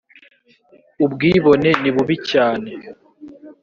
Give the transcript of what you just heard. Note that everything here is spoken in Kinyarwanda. ubwibone nibubi cyane